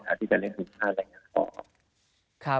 อาจจะเล่นสุขภาษณ์แหละ